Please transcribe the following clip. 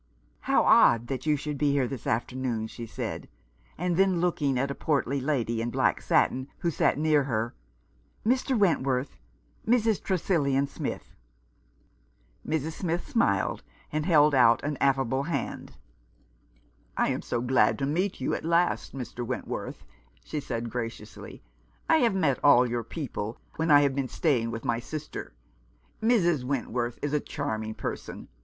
" How odd that you should be here this after noon," she said, and then looking at a portly lady 224 Nineteenth century Crusaders. in black satin who sat near her, "Mr. Wentworth, Mrs. Tresillian Smith." Mrs. Smith smiled, and held out an affable hand. "I am so glad to meet you, at last, Mr. Went worth," she said graciously. " I have met all your people when I have been staying with my sister. Mrs. Wentworth is a charming person.